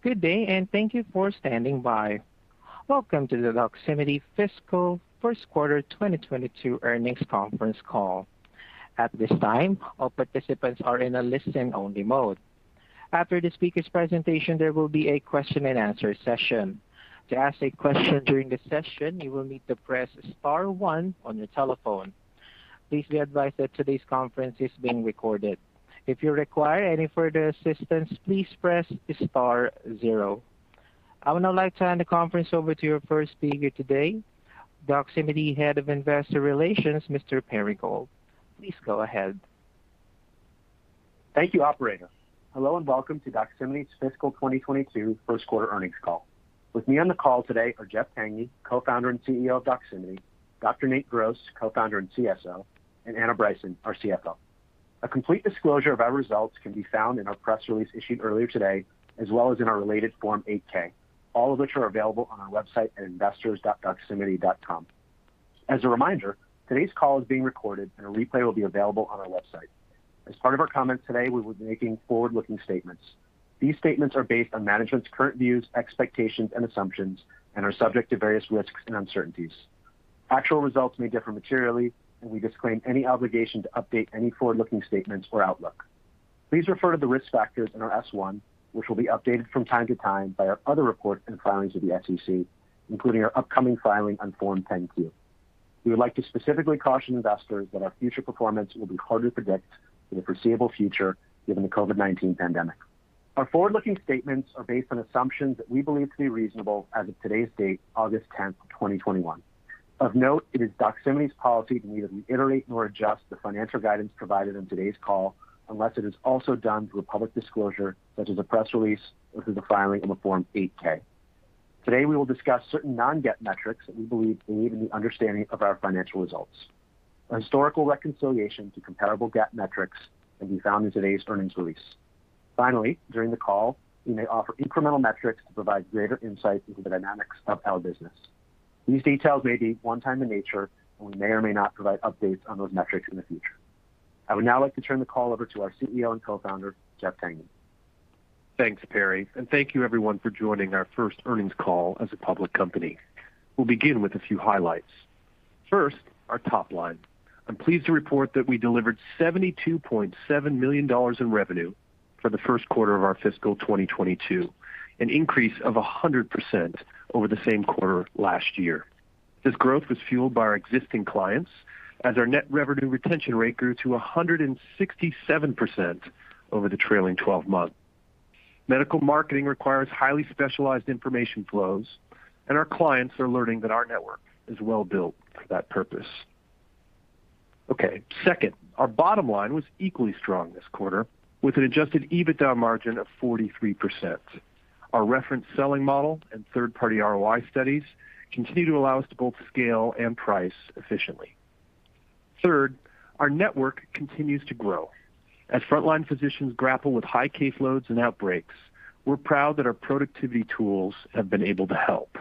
Good day, and thank you for standing by. Welcome to the Doximity fiscal first quarter 2022 earnings conference call. At this time, all participants are in a listen-only mode. After the speaker's presentation, there will be a question-and-answer session. To ask a question during the session, you will need to press star one on your telephone. Please be advised that today's conference is being recorded. If you require any further assistance, please press star zero. I would now like to hand the conference over to your first speaker today, Doximity Head of Investor Relations, Mr. Perry Gold. Please go ahead. Thank you, operator. Hello, welcome to Doximity's fiscal 2022 first quarter earnings call. With me on the call today are Jeff Tangney, Co-founder and CEO of Doximity, Dr. Nate Gross, Co-founder and CSO, and Anna Bryson, our CFO. A complete disclosure of our results can be found in our press release issued earlier today, as well as in our related Form 8-K, all of which are available on our website at investors.doximity.com. As a reminder, today's call is being recorded, a replay will be available on our website. As part of our comments today, we will be making forward-looking statements. These statements are based on management's current views, expectations, and assumptions are subject to various risks and uncertainties. Actual results may differ materially, we disclaim any obligation to update any forward-looking statements or outlook. Please refer to the risk factors in our S-1, which will be updated from time to time by our other reports and filings with the SEC, including our upcoming filing on Form 10-Q. We would like to specifically caution investors that our future performance will be hard to predict in the foreseeable future given the COVID-19 pandemic. Our forward-looking statements are based on assumptions that we believe to be reasonable as of today's date, August 10th, 2021. Of note, it is Doximity's policy to neither reiterate nor adjust the financial guidance provided on today's call unless it is also done through a public disclosure, such as a press release or through the filing of a Form 8-K. Today, we will discuss certain non-GAAP metrics that we believe to aid in the understanding of our financial results. A historical reconciliation to comparable GAAP metrics can be found in today's earnings release. During the call, we may offer incremental metrics to provide greater insight into the dynamics of our business. These details may be one-time in nature, and we may or may not provide updates on those metrics in the future. I would now like to turn the call over to our CEO and Co-founder, Jeff Tangney. Thanks, Perry. Thank you everyone for joining our first earnings call as a public company. We'll begin with a few highlights. First, our top line. I'm pleased to report that we delivered $72.7 million in revenue for the first quarter of our fiscal 2022, an increase of 100% over the same quarter last year. This growth was fueled by our existing clients, as our net revenue retention rate grew to 167% over the trailing 12 months. Medical marketing requires highly specialized information flows, and our clients are learning that our network is well-built for that purpose. Okay. Second, our bottom line was equally strong this quarter with an adjusted EBITDA margin of 43%. Our reference selling model and third-party ROI studies continue to allow us to both scale and price efficiently. Third, our network continues to grow. As frontline physicians grapple with high caseloads and outbreaks, we're proud that our productivity tools have been able to help.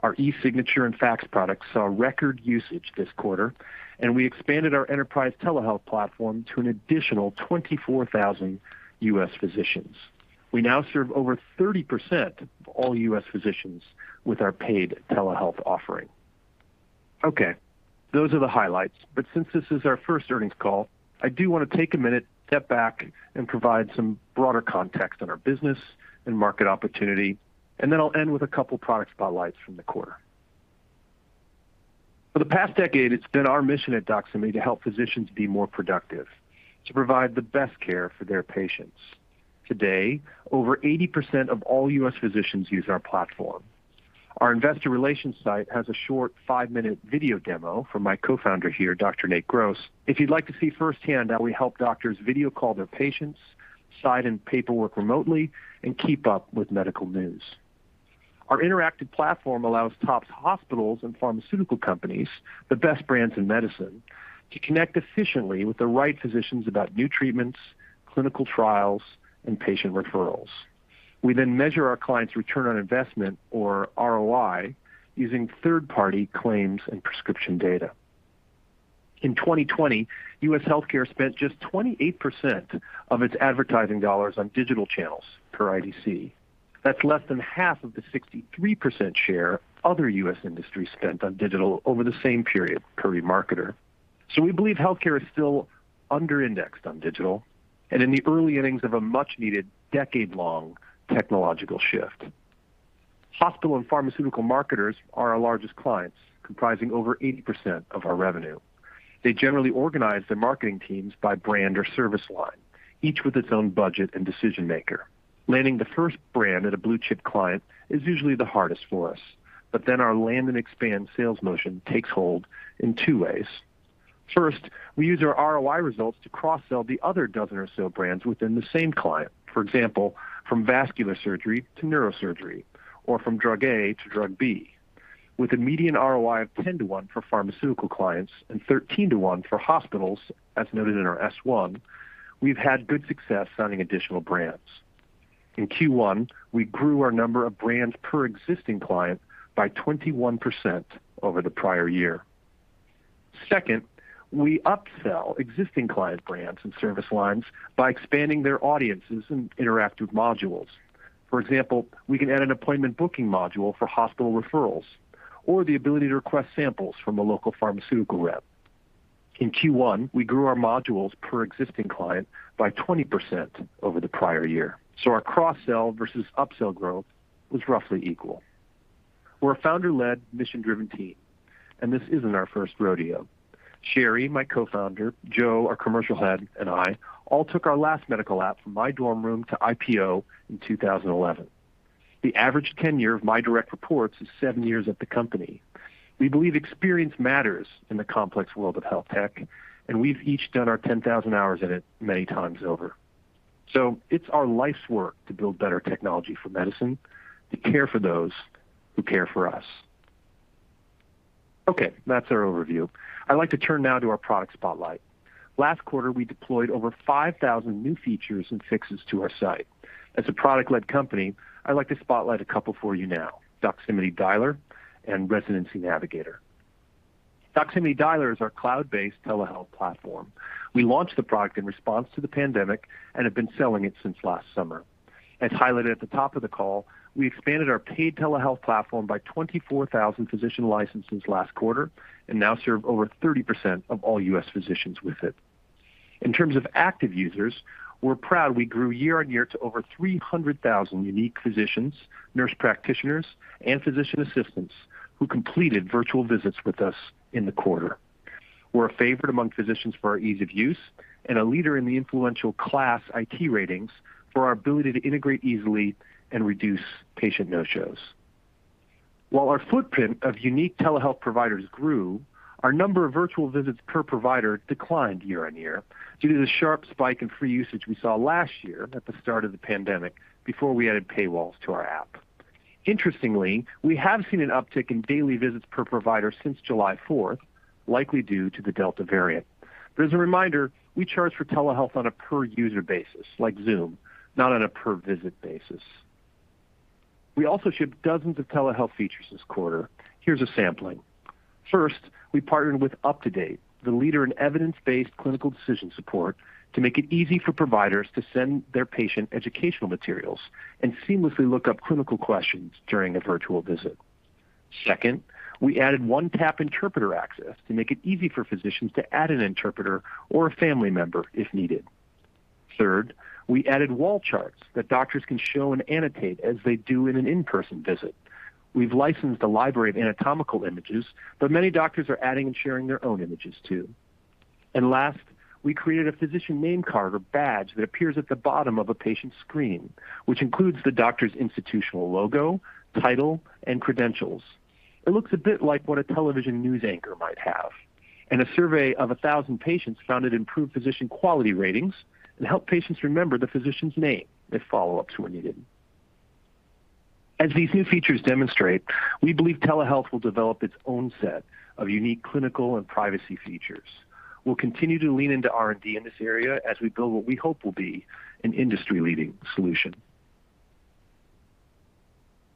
Our e-signature and fax products saw record usage this quarter, and we expanded our enterprise telehealth platform to an additional 24,000 U.S. physicians. We now serve over 30% of all U.S. physicians with our paid telehealth offering. Okay, those are the highlights. Since this is our first earnings call, I do want to take a minute, step back, and provide some broader context on our business and market opportunity, and then I'll end with a couple product spotlights from the quarter. For the past decade, it's been our mission at Doximity to help physicians be more productive to provide the best care for their patients. Today, over 80% of all U.S. physicians use our platform. Our investor relations site has a short five-minute video demo from my co-founder here, Dr. Nate Gross, if you'd like to see firsthand how we help doctors video call their patients, sign in paperwork remotely, and keep up with medical news. Our interactive platform allows top hospitals and pharmaceutical companies, the best brands in medicine, to connect efficiently with the right physicians about new treatments, clinical trials, and patient referrals. We measure our clients' return on investment, or ROI, using third-party claims and prescription data. In 2020, U.S. healthcare spent just 28% of its advertising dollars on digital channels, per IDC. That's less than half of the 63% share other U.S. industries spent on digital over the same period, per eMarketer. We believe healthcare is still under-indexed on digital and in the early innings of a much-needed decade-long technological shift. Hospital and pharmaceutical marketers are our largest clients, comprising over 80% of our revenue. They generally organize their marketing teams by brand or service line, each with its own budget and decision-maker. Landing the first brand at a blue-chip client is usually the hardest for us. Our land and expand sales motion takes hold in two ways. First, we use our ROI results to cross-sell the other 12 or so brands within the same client. For example, from vascular surgery to neurosurgery, or from drug A to drug B. With a median ROI of 10:1 for pharmaceutical clients and 13:1 for hospitals, as noted in our S1, we've had good success signing additional brands. In Q1, we grew our number of brands per existing client by 21% over the prior year. Second, we upsell existing client brands and service lines by expanding their audiences and interactive modules. For example, we can add an appointment booking module for hospital referrals or the ability to request samples from a local pharmaceutical rep. In Q1, we grew our modules per existing client by 20% over the prior year. Our cross-sell versus upsell growth was roughly equal. We're a founder-led, mission-driven team, and this isn't our first rodeo. Shari, my co-founder, Joe, our commercial head, and I all took our last medical app from my dorm room to IPO in 2011. The average tenure of my direct reports is seven years at the company. We believe experience matters in the complex world of health tech, and we've each done our 10,000 hours in it many times over. It's our life's work to build better technology for medicine, to care for those who care for us. Okay. That's our overview. I'd like to turn now to our product spotlight. Last quarter, we deployed over 5,000 new features and fixes to our site. As a product-led company, I'd like to spotlight a couple for you now: Doximity Dialer and Residency Navigator. Doximity Dialer is our cloud-based telehealth platform. We launched the product in response to the pandemic and have been selling it since last summer. As highlighted at the top of the call, we expanded our paid telehealth platform by 24,000 physician licenses last quarter and now serve over 30% of all U.S. physicians with it. In terms of active users, we're proud we grew year-on-year to over 300,000 unique physicians, nurse practitioners, and physician assistants who completed virtual visits with us in the quarter. We're a favorite among physicians for our ease of use and a leader in the influential KLAS ratings for our ability to integrate easily and reduce patient no-shows. While our footprint of unique telehealth providers grew, our number of virtual visits per provider declined year-over-year due to the sharp spike in free usage we saw last year at the start of the pandemic before we added paywalls to our app. Interestingly, we have seen an uptick in daily visits per provider since July 4th, likely due to the Delta variant. As a reminder, we charge for telehealth on a per-user basis, like Zoom, not on a per-visit basis. We also shipped dozens of telehealth features this quarter. Here's a sampling. First, we partnered with UpToDate, the leader in evidence-based clinical decision support, to make it easy for providers to send their patient educational materials and seamlessly look up clinical questions during a virtual visit. Second, we added one-tap interpreter access to make it easy for physicians to add an interpreter or a family member if needed. Third, we added wall charts that doctors can show and annotate as they do in an in-person visit. We've licensed a library of anatomical images, but many doctors are adding and sharing their own images too. Last, we created a physician name card or badge that appears at the bottom of a patient's screen, which includes the doctor's institutional logo, title, and credentials. It looks a bit like what a television news anchor might have. A survey of 1,000 patients found it improved physician quality ratings and helped patients remember the physician's name if follow-ups were needed. As these new features demonstrate, we believe telehealth will develop its own set of unique clinical and privacy features. We'll continue to lean into R&D in this area as we build what we hope will be an industry-leading solution.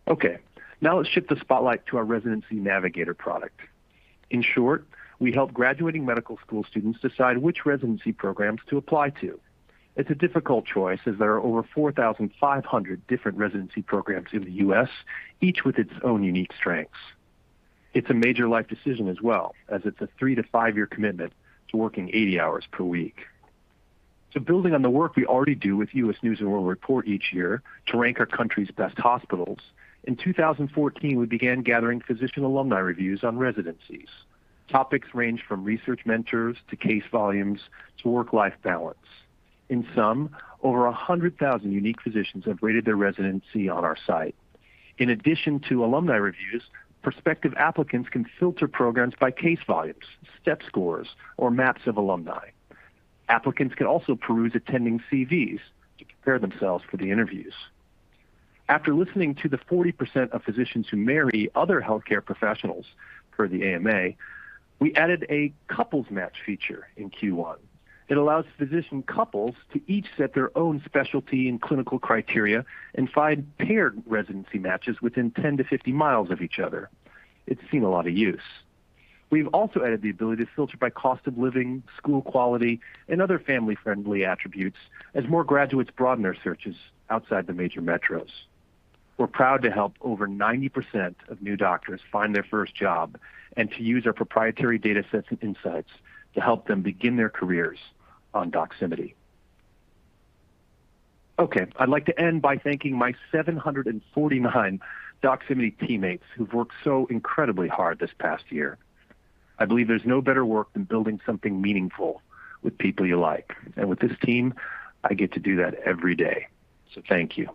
Okay. Now let's shift the spotlight to our Residency Navigator product. In short, we help graduating medical school students decide which residency programs to apply to. It's a difficult choice, as there are over 4,500 different residency programs in the U.S., each with its own unique strengths. It's a major life decision as well, as it's a three to five year commitment to working 80 hours per week. Building on the work we already do with U.S. News & World Report each year to rank our country's best hospitals, in 2014, we began gathering physician alumni reviews on residencies. Topics range from research mentors to case volumes to work-life balance. In sum, over 100,000 unique physicians have rated their residency on our site. In addition to alumni reviews, prospective applicants can filter programs by case volumes, step scores, or maps of alumni. Applicants can also peruse attending CVs to prepare themselves for the interviews. After listening to the 40% of physicians who marry other healthcare professionals per the AMA, we added a couples match feature in Q1. It allows physician couples to each set their own specialty and clinical criteria and find paired residency matches within 10-50 miles of each other. It's seen a lot of use. We've also added the ability to filter by cost of living, school quality, and other family-friendly attributes as more graduates broaden their searches outside the major metros. We're proud to help over 90% of new doctors find their first job and to use our proprietary data sets and insights to help them begin their careers on Doximity. Okay. I'd like to end by thanking my 749 Doximity teammates who've worked so incredibly hard this past year. I believe there's no better work than building something meaningful with people you like. With this team, I get to do that every day. Thank you.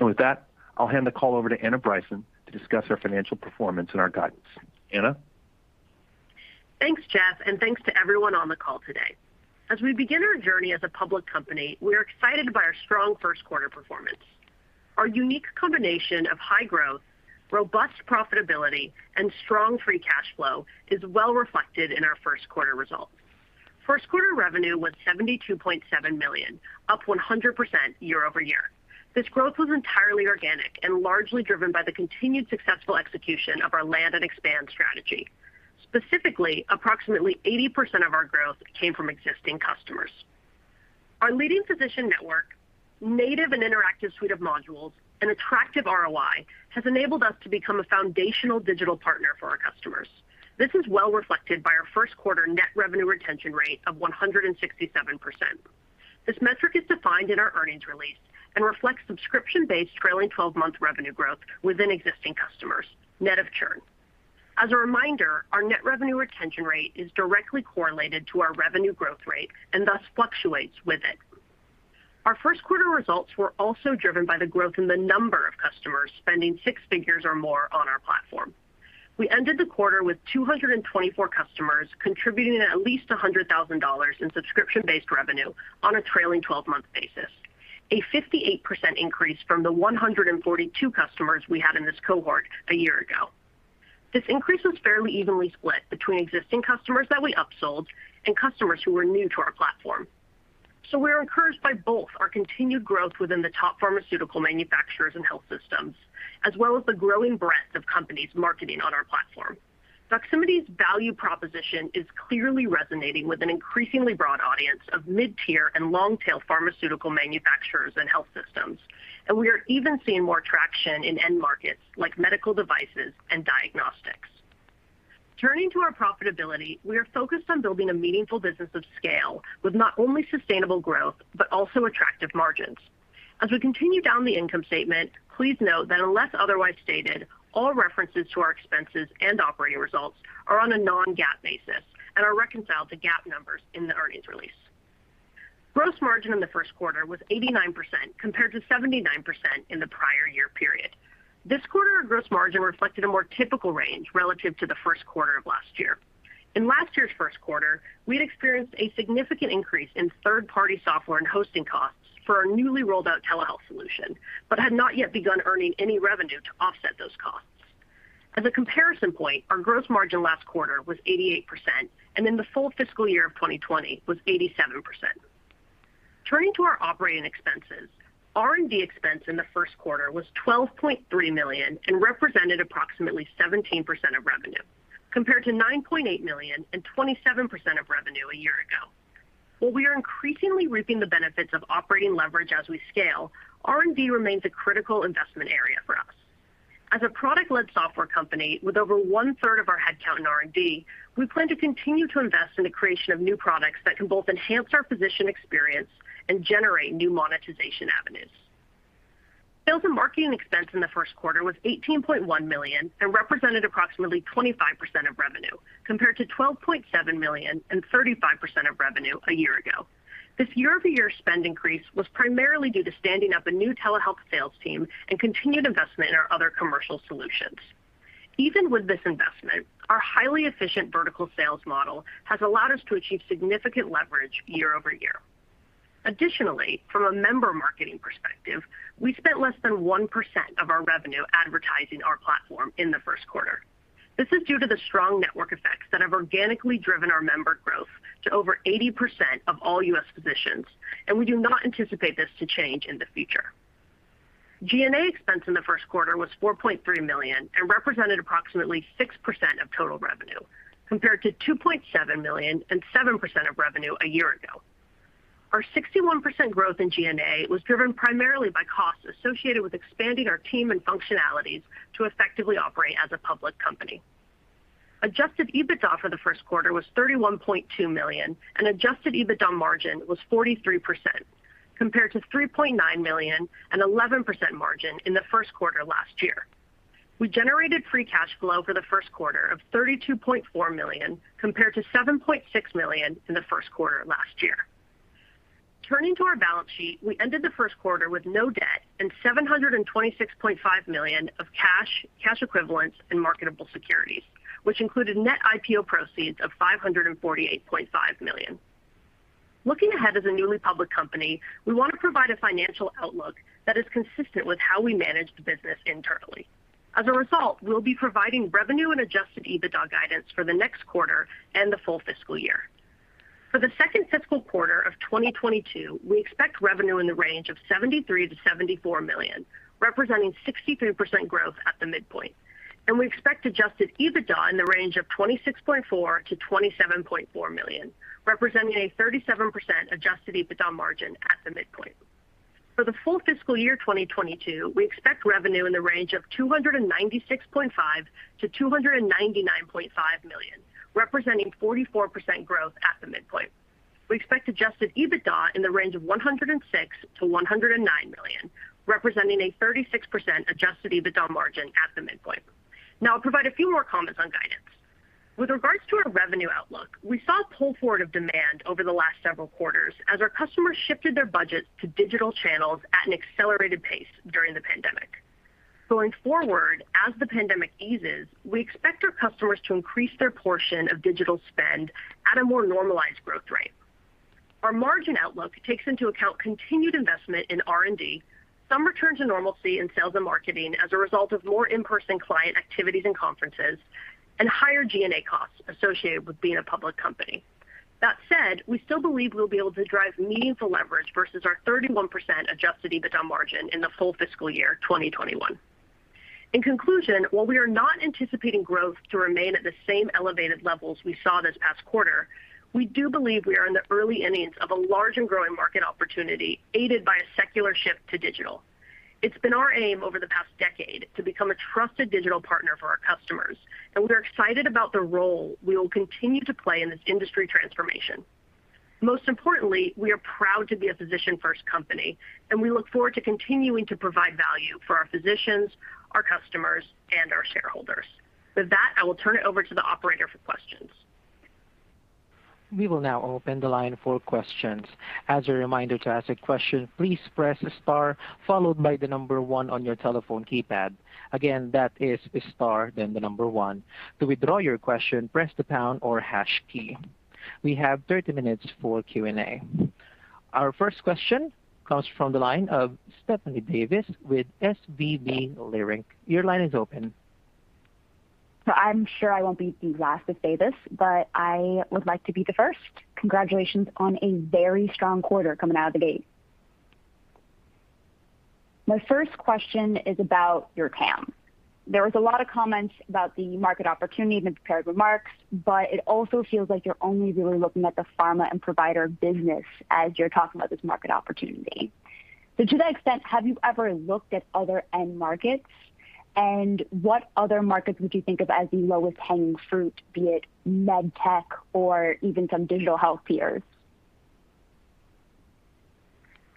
With that, I'll hand the call over to Anna Bryson to discuss our financial performance and our guidance. Anna? Thanks, Jeff, and thanks to everyone on the call today. As we begin our journey as a public company, we are excited by our strong first quarter performance. Our unique combination of high growth, robust profitability, and strong free cash flow is well reflected in our first quarter results. First quarter revenue was $72.7 million, up 100% year-over-year. This growth was entirely organic and largely driven by the continued successful execution of our land and expand strategy. Specifically, approximately 80% of our growth came from existing customers. Our leading physician network, native and interactive suite of modules, and attractive ROI has enabled us to become a foundational digital partner for our customers. This is well reflected by our first quarter net revenue retention rate of 167%. This metric is defined in our earnings release and reflects subscription-based trailing 12-month revenue growth within existing customers, net of churn. As a reminder, our net revenue retention rate is directly correlated to our revenue growth rate and thus fluctuates with it. Our first quarter results were also driven by the growth in the number of customers spending 6 figures or more on our platform. We ended the quarter with 224 customers contributing at least $100,000 in subscription-based revenue on a trailing 12-month basis, a 58% increase from the 142 customers we had in this cohort a year ago. This increase was fairly evenly split between existing customers that we upsold and customers who were new to our platform. We are encouraged by both our continued growth within the top pharmaceutical manufacturers and health systems, as well as the growing breadth of companies marketing on our platform. Doximity's value proposition is clearly resonating with an increasingly broad audience of mid-tier and long-tail pharmaceutical manufacturers and health systems, and we are even seeing more traction in end markets like medical devices and diagnostics. Turning to our profitability, we are focused on building a meaningful business of scale with not only sustainable growth, but also attractive margins. As we continue down the income statement, please note that unless otherwise stated, all references to our expenses and operating results are on a non-GAAP basis and are reconciled to GAAP numbers in the earnings release. Gross margin in the first quarter was 89% compared to 79% in the prior year period. This quarter, our gross margin reflected a more typical range relative to the first quarter of last year. In last year's first quarter, we'd experienced a significant increase in third-party software and hosting costs for our newly rolled out telehealth solution, but had not yet begun earning any revenue to offset those costs. As a comparison point, our gross margin last quarter was 88%, and in the full fiscal year of 2020 was 87%. Turning to our operating expenses, R&D expense in the first quarter was $12.3 million and represented approximately 17% of revenue, compared to $9.8 million and 27% of revenue a year ago. While we are increasingly reaping the benefits of operating leverage as we scale, R&D remains a critical investment area for us. As a product-led software company with over one-third of our headcount in R&D, we plan to continue to invest in the creation of new products that can both enhance our physician experience and generate new monetization avenues. Sales and marketing expense in the first quarter was $18.1 million and represented approximately 25% of revenue, compared to $12.7 million and 35% of revenue a year ago. This year-over-year spend increase was primarily due to standing up a new telehealth sales team and continued investment in our other commercial solutions. Even with this investment, our highly efficient vertical sales model has allowed us to achieve significant leverage year-over-year. Additionally, from a member marketing perspective, we spent less than 1% of our revenue advertising our platform in the first quarter. This is due to the strong network effects that have organically driven our member growth to over 80% of all U.S. physicians, and we do not anticipate this to change in the future. G&A expense in the first quarter was $4.3 million and represented approximately 6% of total revenue, compared to $2.7 million and 7% of revenue a year ago. Our 61% growth in G&A was driven primarily by costs associated with expanding our team and functionalities to effectively operate as a public company. Adjusted EBITDA for the first quarter was $31.2 million and adjusted EBITDA margin was 43%, compared to $3.9 million and 11% margin in the first quarter last year. We generated free cash flow for the first quarter of $32.4 million, compared to $7.6 million in the first quarter last year. Turning to our balance sheet, we ended the first quarter with no debt and $726.5 million of cash equivalents, and marketable securities, which included net IPO proceeds of $548.5 million. Looking ahead as a newly public company, we want to provide a financial outlook that is consistent with how we manage the business internally. As a result, we'll be providing revenue and adjusted EBITDA guidance for the next quarter and the full fiscal year. For the second fiscal quarter of 2022, we expect revenue in the range of $73 million-$74 million, representing 63% growth at the midpoint. We expect adjusted EBITDA in the range of $26.4 million-$27.4 million, representing a 37% adjusted EBITDA margin at the midpoint. For the full fiscal year 2022, we expect revenue in the range of $296.5 million-$299.5 million, representing 44% growth at the midpoint. We expect adjusted EBITDA in the range of $106 million-$109 million, representing a 36% adjusted EBITDA margin at the midpoint. Now, I'll provide a few more comments on guidance. With regards to our revenue outlook, we saw a pull forward of demand over the last several quarters as our customers shifted their budgets to digital channels at an accelerated pace during the pandemic. Going forward, as the pandemic eases, we expect our customers to increase their portion of digital spend at a more normalized growth rate. Our margin outlook takes into account continued investment in R&D, some return to normalcy in sales and marketing as a result of more in-person client activities and conferences, and higher G&A costs associated with being a public company. That said, we still believe we will be able to drive meaningful leverage versus our 31% adjusted EBITDA margin in the full fiscal year 2021. In conclusion, while we are not anticipating growth to remain at the same elevated levels we saw this past quarter, we do believe we are in the early innings of a large and growing market opportunity, aided by a secular shift to digital. It's been our aim over the past decade to become a trusted digital partner for our customers, and we're excited about the role we will continue to play in this industry transformation. Most importantly, we are proud to be a physician-first company, and we look forward to continuing to provide value for our physicians, our customers, and our shareholders. With that, I will turn it over to the operator for questions. We will now open the line for questions. As a reminder to ask a question, please press star followed by the number one on your telephone keypad. Again, that is star then the number one. To withdraw your question, press the pound or hash key. We have 30 minutes for Q&A. Our first question comes from the line of Stephanie Davis with SVB Leerink. Your line is open. I'm sure I won't be the last to say this, but I would like to be the first. Congratulations on a very strong quarter coming out of the gate. My first question is about your TAM. There was a lot of comments about the market opportunity in the prepared remarks, but it also feels like you're only really looking at the pharma and provider business as you're talking about this market opportunity. To that extent, have you ever looked at other end markets? What other markets would you think of as the lowest hanging fruit, be it med tech or even some digital health peers?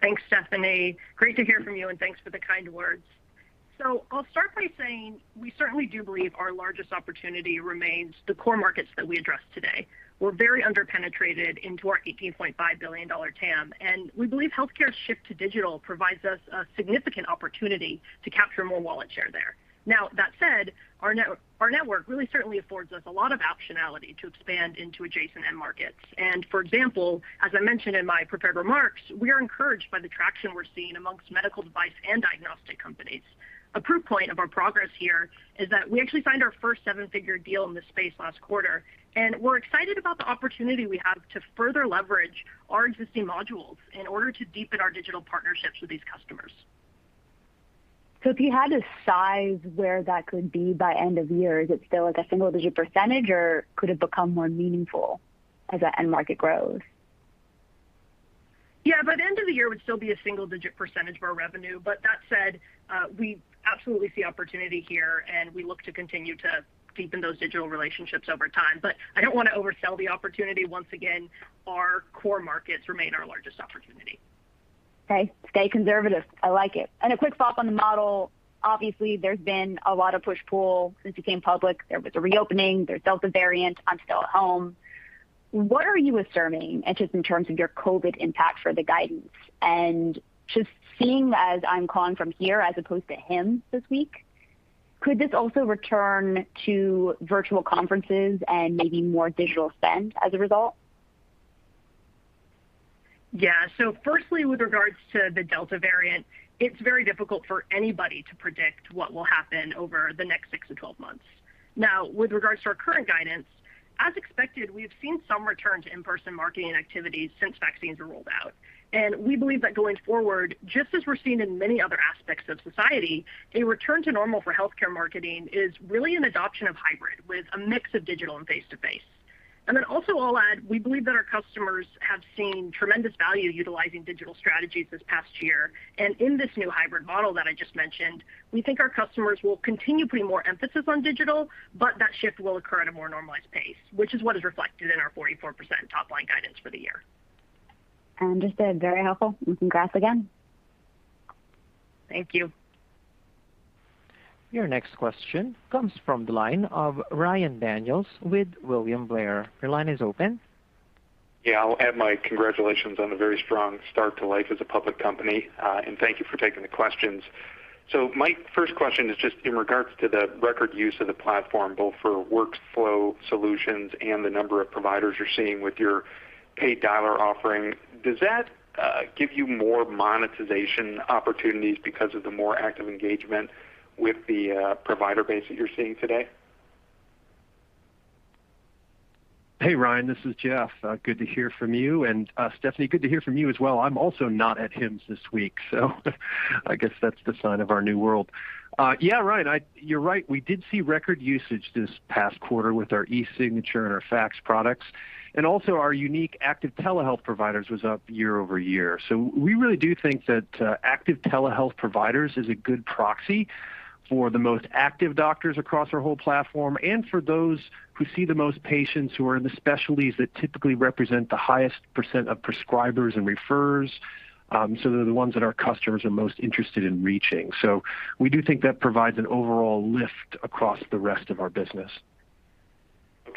Thanks, Stephanie. Great to hear from you and thanks for the kind words. I'll start by saying we certainly do believe our largest opportunity remains the core markets that we addressed today. We're very under-penetrated into our $18.5 billion TAM, we believe healthcare's shift to digital provides us a significant opportunity to capture more wallet share there. That said, our network really certainly affords us a lot of optionality to expand into adjacent end markets. For example, as I mentioned in my prepared remarks, we are encouraged by the traction we're seeing amongst medical device and diagnostic companies. A proof point of our progress here is that we actually signed our first 7-figure deal in this space last quarter, we're excited about the opportunity we have to further leverage our existing modules in order to deepen our digital partnerships with these customers. If you had to size where that could be by end of year, is it still like a single-digit %, or could it become more meaningful as that end market grows? Yeah. By the end of the year, it would still be a single digit percentage of our revenue. That said, we absolutely see opportunity here, and we look to continue to deepen those digital relationships over time. I don't want to oversell the opportunity. Once again, our core markets remain our largest opportunity. Okay. Stay conservative. I like it. A quick follow-up on the model. Obviously, there's been a lot of push-pull since you became public. There was a reopening. There's Delta variant. I'm still at home. What are you assuming, and just in terms of your COVID impact for the guidance? Just seeing as I'm calling from here as opposed to HIMSS this week, could this also return to virtual conferences and maybe more digital spend as a result? Firstly, with regards to the Delta variant, it's very difficult for anybody to predict what will happen over the next 6 -12 months. With regards to our current guidance, as expected, we have seen some return to in-person marketing activities since vaccines were rolled out. We believe that going forward, just as we're seeing in many other aspects of society, a return to normal for healthcare marketing is really an adoption of hybrid with a mix of digital and face-to-face. Also I'll add, we believe that our customers have seen tremendous value utilizing digital strategies this past year. In this new hybrid model that I just mentioned, we think our customers will continue putting more emphasis on digital, but that shift will occur at a more normalized pace, which is what is reflected in our 44% top-line guidance for the year. Understood. Very helpful. Congrats again. Thank you. Your next question comes from the line of Ryan Daniels with William Blair. Your line is open. Yeah. I'll add my congratulations on the very strong start to life as a public company. Thank you for taking the questions. My first question is just in regards to the record use of the platform, both for workflow solutions and the number of providers you're seeing with your paid Dialer offering. Does that give you more monetization opportunities because of the more active engagement with the provider base that you're seeing today? Hey, Ryan, this is Jeff. Good to hear from you. Stephanie, good to hear from you as well. I'm also not at HIMSS this week, so I guess that's the sign of our new world. Yeah, Ryan, you're right. We did see record usage this past quarter with our e-signature and our fax products. Also, our unique active telehealth providers was up year-over-year. We really do think that active telehealth providers is a good proxy for the most active doctors across our whole platform and for those who see the most patients who are in the specialties that typically represent the highest percent of prescribers and referrers. They're the ones that our customers are most interested in reaching. We do think that provides an overall lift across the rest of our business.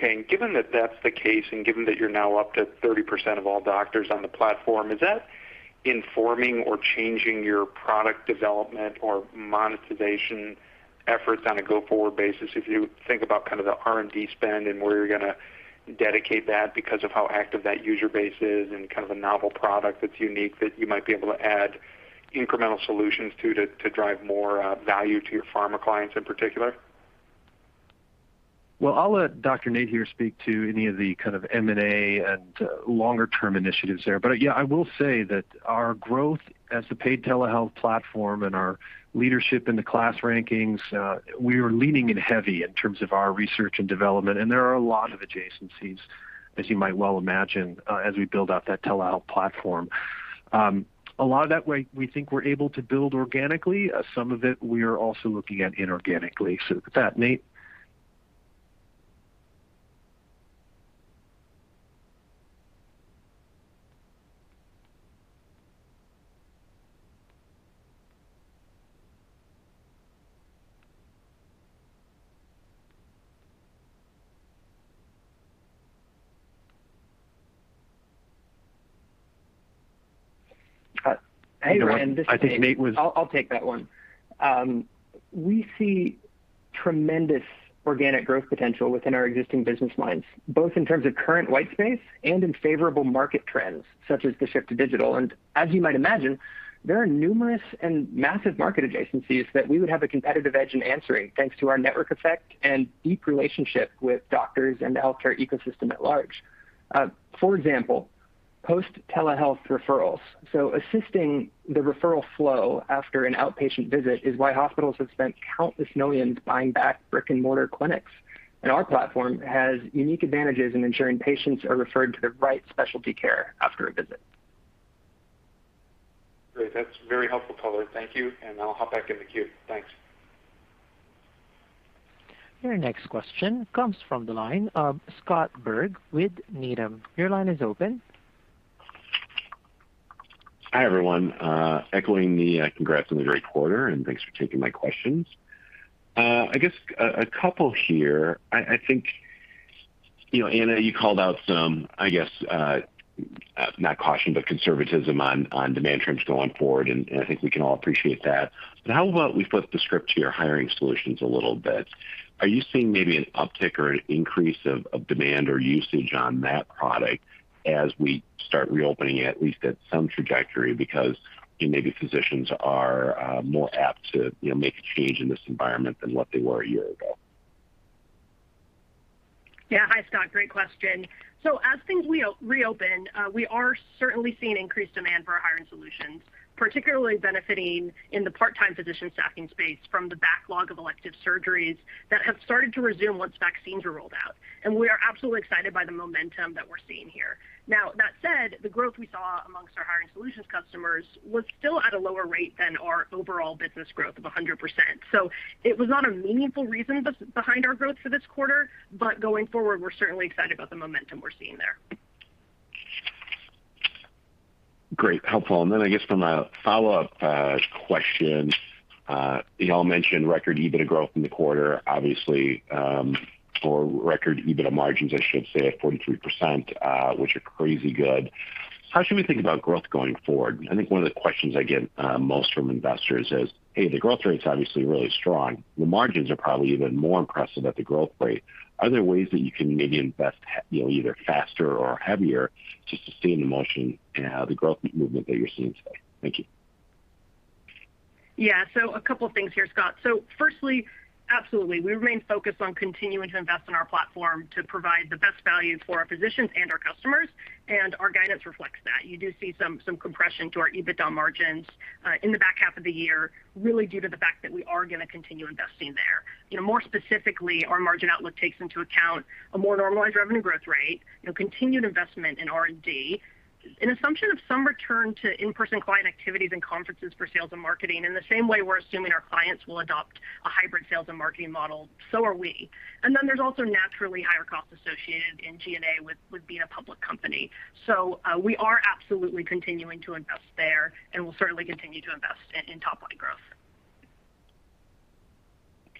Okay. Given that that's the case and given that you're now up to 30% of all doctors on the platform, is that informing or changing your product development or monetization efforts on a go-forward basis, if you think about the R&D spend and where you're going to dedicate that because of how active that user base is and the novel product that's unique that you might be able to add incremental solutions to drive more value to your pharma clients in particular? I'll let Dr. Nate here speak to any of the kind of M&A and longer-term initiatives there. Yeah, I will say that our growth as the paid telehealth platform and our leadership in the KLAS rankings, we are leaning in heavy in terms of our research and development, and there are a lot of adjacencies as you might well imagine, as we build out that telehealth platform. A lot of that way, we think we're able to build organically. Some of it we are also looking at inorganically. With that, Nate. Hey, everyone. This is Nate. I think Nate I'll take that one. We see tremendous organic growth potential within our existing business lines, both in terms of current white space and in favorable market trends, such as the shift to digital. As you might imagine, there are numerous and massive market adjacencies that we would have a competitive edge in answering, thanks to our network effect and deep relationship with doctors and the healthcare ecosystem at large. For example, post-telehealth referrals. Assisting the referral flow after an outpatient visit is why hospitals have spent countless millions buying back brick-and-mortar clinics, and our platform has unique advantages in ensuring patients are referred to the right specialty care after a visit. Great. That's very helpful color. Thank you, and I'll hop back in the queue. Thanks. Your next question comes from the line of Scott Berg with Needham. Your line is open. Hi, everyone. Echoing the congrats on the great quarter. Thanks for taking my questions. I guess a couple here. I think Anna, you called out some, I guess, not caution, but conservatism on demand trends going forward, and I think we can all appreciate that. How about we flip the script to your hiring solutions a little bit? Are you seeing maybe an uptick or an increase of demand or usage on that product as we start reopening, at least at some trajectory because maybe physicians are more apt to make a change in this environment than what they were a year ago? Yeah. Hi, Scott. Great question. As things reopen, we are certainly seeing increased demand for our hiring solutions, particularly benefiting in the part-time physician staffing space from the backlog of elective surgeries that have started to resume once vaccines are rolled out. We are absolutely excited by the momentum that we're seeing here. Now, that said, the growth we saw amongst our hiring solutions customers was still at a lower rate than our overall business growth of 100%. It was not a meaningful reason behind our growth for this quarter, but going forward, we're certainly excited about the momentum we're seeing there. Great. Helpful. I guess from a follow-up question, you all mentioned record EBITDA growth in the quarter, obviously, or record EBITDA margins, I should say, of 43%, which are crazy good. How should we think about growth going forward? I think one of the questions I get most from investors is, "Hey, the growth rate's obviously really strong. The margins are probably even more impressive at the growth rate. Are there ways that you can maybe invest either faster or heavier to sustain the motion and the growth movement that you're seeing today?" Thank you. Yeah. A couple things here, Scott. Firstly, absolutely. We remain focused on continuing to invest in our platform to provide the best value for our physicians and our customers, and our guidance reflects that. You do see some compression to our EBITDA margins in the back half of the year, really due to the fact that we are going to continue investing there. More specifically, our margin outlook takes into account a more normalized revenue growth rate, continued investment in R&D, an assumption of some return to in-person client activities and conferences for sales and marketing. In the same way we're assuming our clients will adopt a hybrid sales and marketing model, so are we. There's also naturally higher costs associated in G&A with being a public company. We are absolutely continuing to invest there, and we'll certainly continue to invest in top-line growth.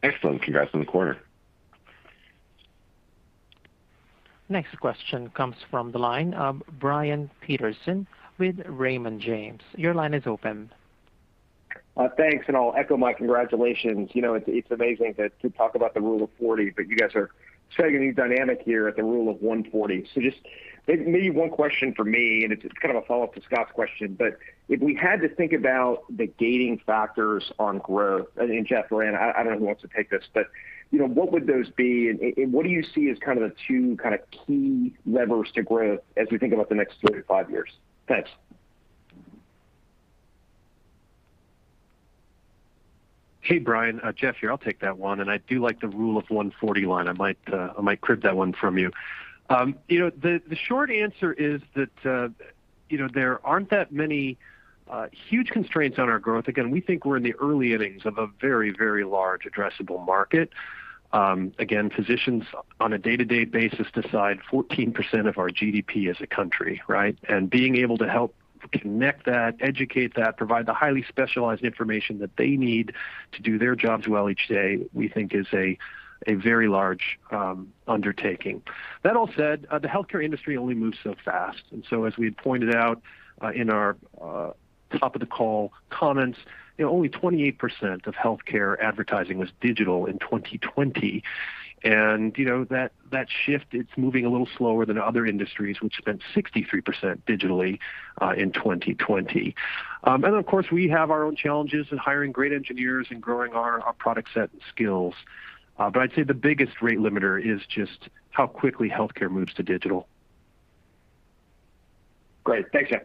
Excellent. Congrats on the quarter. Next question comes from the line of Brian Peterson with Raymond James. Your line is open. Thanks. I'll echo my congratulations. It's amazing that we talk about the Rule of 40, but you guys are setting a new dynamic here at the Rule of 140. Just maybe one question from me, and it's kind of a follow-up to Scott's question, but if we had to think about the gating factors on growth, and Jeff or Anna, I don't know who wants to take this, but what would those be, and what do you see as kind of the two kind of key levers to growth as we think about the next two to five years? Thanks. Hey, Brian. Jeff here. I'll take that one. I do like the Rule of 140 line. I might crib that one from you. The short answer is that there aren't that many huge constraints on our growth. Again, we think we're in the early innings of a very, very large addressable market. Again, physicians on a day-to-day basis decide 14% of our GDP as a country, right? Being able to help connect that, educate that, provide the highly specialized information that they need to do their jobs well each day, we think is a very large undertaking. That all said, the healthcare industry only moves so fast. As we had pointed out in our top of the call comments, only 28% of healthcare advertising was digital in 2020. That shift, it's moving a little slower than other industries, which spent 63% digitally in 2020. Of course, we have our own challenges in hiring great engineers and growing our product set and skills. I'd say the biggest rate limiter is just how quickly healthcare moves to digital. Great. Thanks, Jeff.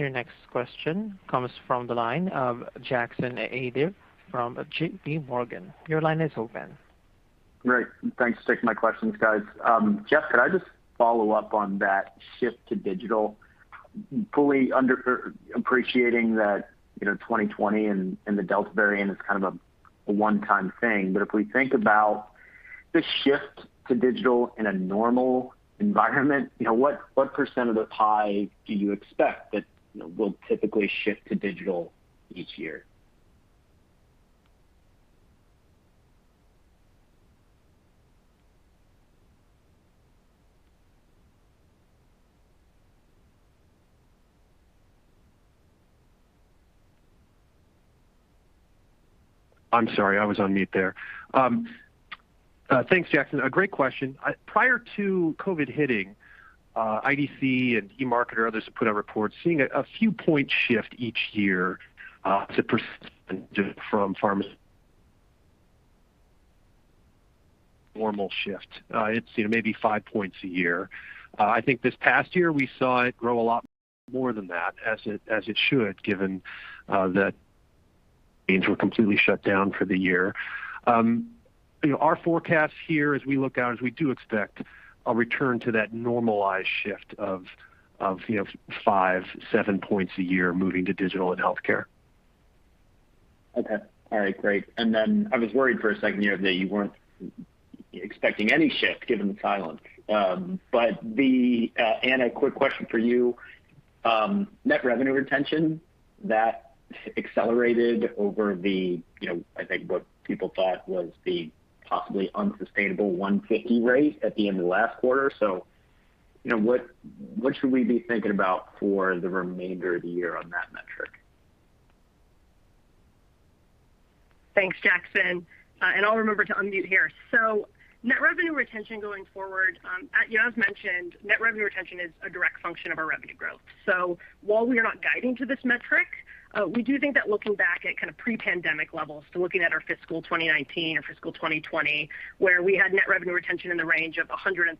Your next question comes from the line of Jackson Ader from J.P. Morgan. Your line is open. Great. Thanks. Stick to my questions, guys. Jeff, could I just follow up on that shift to digital? Fully appreciating that 2020 and the Delta variant is kind of a one-time thing, if we think about the shift to digital in a normal environment, what percent of the pie do you expect that will typically shift to digital each year? I'm sorry, I was on mute there. Thanks, Jackson. A great question. Prior to COVID hitting, IDC and eMarketer, others, put out reports seeing a few point shift each year to percentage from pharma normal shift. It's maybe five points a year. I think this past year, we saw it grow a lot more than that, as it should given that things were completely shut down for the year. Our forecast here as we look out is we do expect a return to that normalized shift of five, seven points a year moving to digital in healthcare. Okay. All right, great. I was worried for a second there that you weren't expecting any shift given the silence. Anna, a quick question for you. Net revenue retention, that accelerated over the, I think what people thought was the possibly unsustainable 150% rate at the end of last quarter. What should we be thinking about for the remainder of the year on that metric? Thanks, Jackson. I'll remember to unmute here. Net revenue retention going forward, as Jeff mentioned, net revenue retention is a direct function of our revenue growth. While we are not guiding to this metric, we do think that looking back at pre-pandemic levels, looking at our fiscal 2019 and fiscal 2020 where we had net revenue retention in the range of 130%+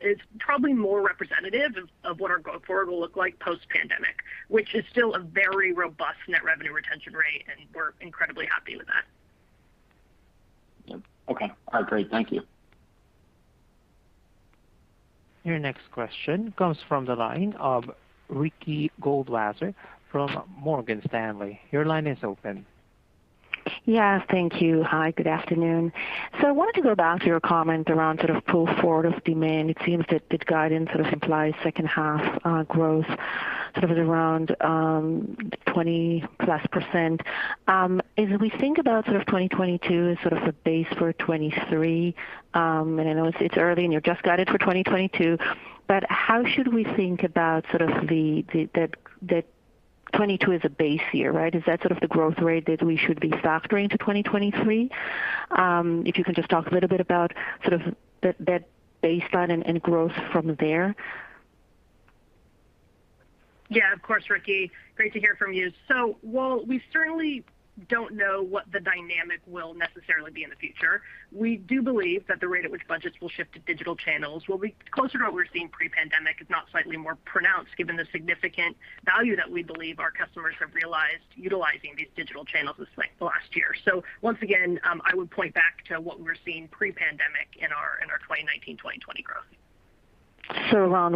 is probably more representative of what our go forward will look like post pandemic, which is still a very robust net revenue retention rate, and we're incredibly happy with that. Okay. All right, great. Thank you. Your next question comes from the line of Ricky Goldwasser from Morgan Stanley. Your line is open. Yeah. Thank you. Hi, good afternoon. I wanted to go back to your comment around pull forward of demand. It seems that the guidance sort of implies second half growth sort of at around 20%+. As we think about 2022 as sort of a base for 2023, and I know it's early and you've just guided for 2022, but how should we think about that 2022 as a base year, right? Is that sort of the growth rate that we should be factoring to 2023? If you can just talk a little bit about that baseline and growth from there. Of course, Ricky. Great to hear from you. While we certainly don't know what the dynamic will necessarily be in the future, we do believe that the rate at which budgets will shift to digital channels will be closer to what we were seeing pre-pandemic, if not slightly more pronounced, given the significant value that we believe our customers have realized utilizing these digital channels this last year. Once again, I would point back to what we were seeing pre-pandemic in our 2019, 2020 growth. Around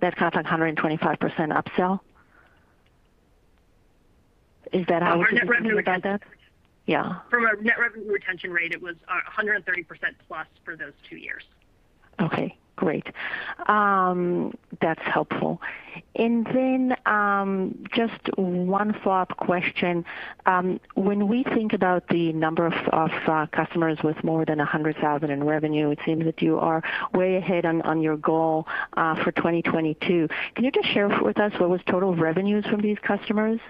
that kind of 125% upsell? Is that how we should think about that? From our net revenue retention. Yeah. From our net revenue retention rate, it was 130% plus for those two years. Okay, great. That's helpful. Just one follow-up question. When we think about the number of customers with more than $100,000 in revenue, it seems that you are way ahead on your goal for 2022. Can you just share with us what was total revenues from these customers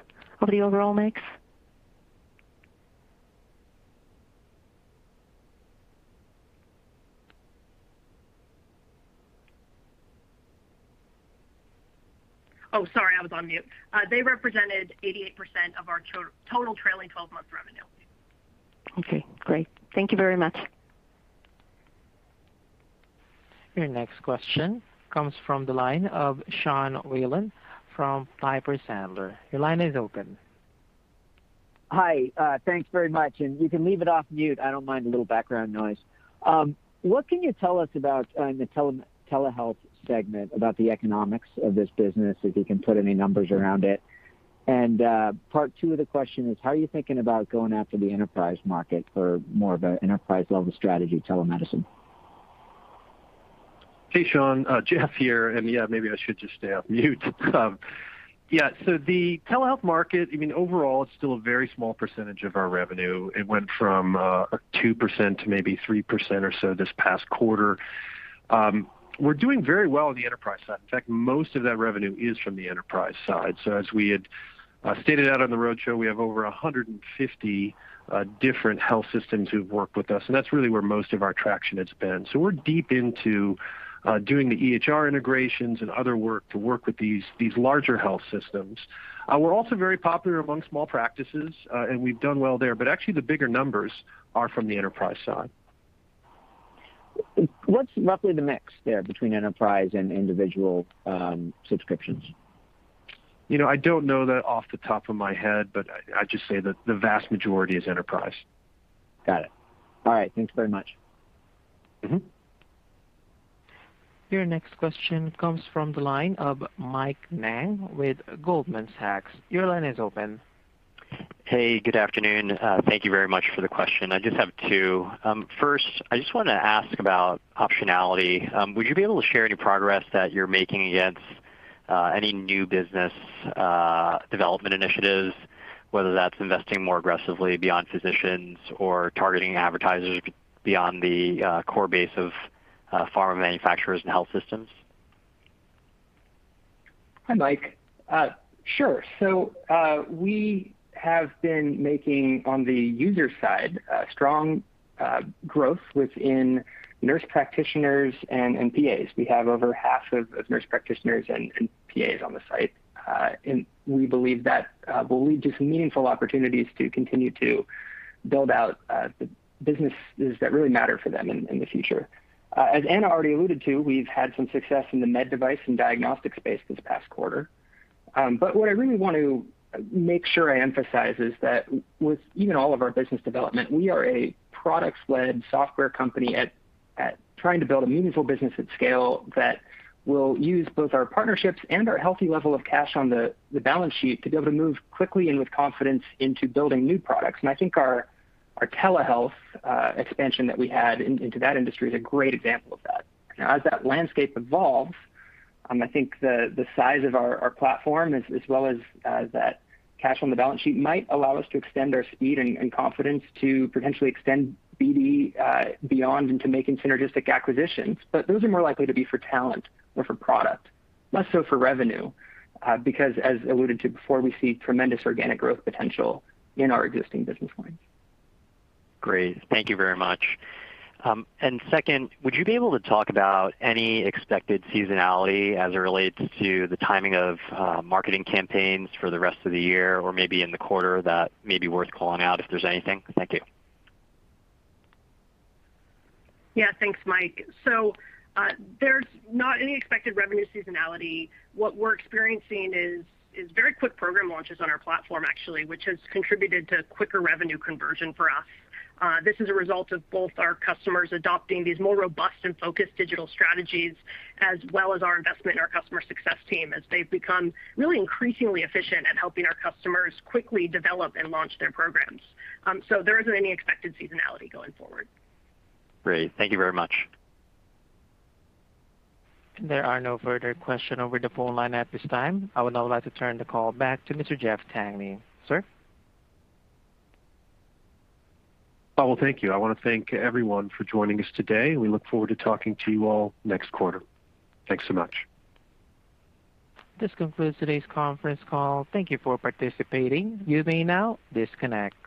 over the overall mix? Oh, sorry, I was on mute. They represented 88% of our total trailing 12-month revenue. Okay, great. Thank you very much. Your next question comes from the line of Sean Wieland from Piper Sandler. Your line is open. Hi. Thanks very much. You can leave it off mute. I don't mind a little background noise. What can you tell us about the telehealth segment, about the economics of this business, if you can put any numbers around it? Part two of the question is, how are you thinking about going after the enterprise market for more of an enterprise-level strategy telemedicine? Hey, Sean. Jeff here, maybe I should just stay off mute. The telehealth market, overall it's still a very small percentage of our revenue. It went from 2% to maybe 3% or so this past quarter. We're doing very well on the enterprise side. In fact, most of that revenue is from the enterprise side. As we had stated out on the roadshow, we have over 150 different health systems who've worked with us, that's really where most of our traction has been. We're deep into doing the EHR integrations and other work to work with these larger health systems. We're also very popular among small practices, we've done well there, actually the bigger numbers are from the enterprise side. What's roughly the mix there between enterprise and individual subscriptions? I don't know that off the top of my head, but I'd just say that the vast majority is enterprise. Got it. All right. Thanks very much. Your next question comes from the line of Mike Ng with Goldman Sachs. Your line is open. Hey, good afternoon. Thank you very much for the question. I just have two. First, I just want to ask about optionality. Would you be able to share any progress that you're making against any new business development initiatives, whether that's investing more aggressively beyond physicians or targeting advertisers beyond the core base of pharma manufacturers and health systems? Hi, Mike. Sure. We have been making, on the user side, strong growth within nurse practitioners and PAs. We have over half of nurse practitioners and PAs on the site. We believe that will lead to some meaningful opportunities to continue to build out the businesses that really matter for them in the future. As Anna already alluded to, we've had some success in the med device and diagnostics space this past quarter. What I really want to make sure I emphasize is that with even all of our business development, we are a product-led software company trying to build a meaningful business at scale that will use both our partnerships and our healthy level of cash on the balance sheet to be able to move quickly and with confidence into building new products. I think our telehealth expansion that we had into that industry is a great example of that. As that landscape evolves, I think the size of our platform, as well as that cash on the balance sheet, might allow us to extend our speed and confidence to potentially extend BD beyond into making synergistic acquisitions. Those are more likely to be for talent or for product, less so for revenue, because as alluded to before, we see tremendous organic growth potential in our existing business lines. Great. Thank you very much. Second, would you be able to talk about any expected seasonality as it relates to the timing of marketing campaigns for the rest of the year or maybe in the quarter that may be worth calling out if there's anything? Thank you. Yeah. Thanks, Mike. There's not any expected revenue seasonality. What we're experiencing is very quick program launches on our platform actually, which has contributed to quicker revenue conversion for us. This is a result of both our customers adopting these more robust and focused digital strategies, as well as our investment in our customer success team as they've become really increasingly efficient at helping our customers quickly develop and launch their programs. There isn't any expected seasonality going forward. Great. Thank you very much. There are no further questions over the phone line at this time. I would now like to turn the call back to Mr. Jeff Tangney. Sir? Well, thank you. I want to thank everyone for joining us today, and we look forward to talking to you all next quarter. Thanks so much. This concludes today's conference call. Thank you for participating. You may now disconnect.